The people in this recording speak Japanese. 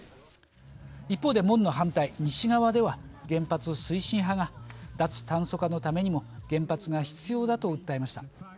一方で門の反対、西側では原発推進派が脱炭素化のためにも原発が必要だと訴えました。